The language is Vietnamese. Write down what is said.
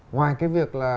ngoài cái việc là